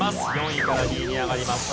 ４位から２位に上がります。